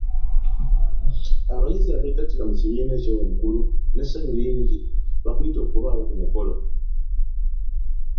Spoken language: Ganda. Abayizi abeegattira mu kibiina ekyo waggulu n’essanyu lingi bakuyita okubaawo ku mukolo.